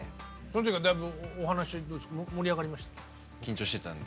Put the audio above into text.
その時はだいぶお話盛り上がりました？